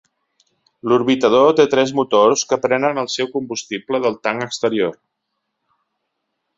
L'orbitador té tres motors que prenen el seu combustible del tanc exterior.